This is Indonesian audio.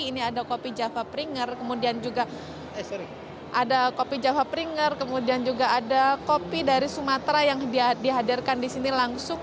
ini ada kopi java pringer kemudian juga ada kopi java pringer kemudian juga ada kopi dari sumatera yang dihadirkan di sini langsung